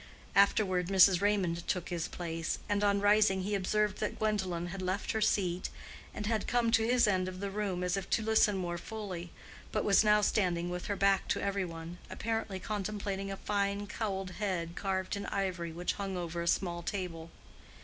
Afterward, Mrs. Raymond took his place; and on rising he observed that Gwendolen had left her seat, and had come to this end of the room, as if to listen more fully, but was now standing with her back to every one, apparently contemplating a fine cowled head carved in ivory which hung over a small table.